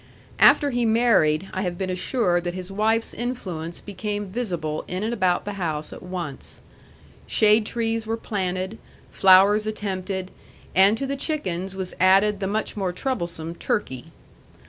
After he married, I have been assured that his wife's influence became visible in and about the house at once. Shade trees were planted, flowers attempted, and to the chickens was added the much more troublesome turkey.